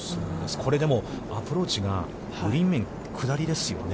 これでも、アプローチがグリーン面、下りですよね。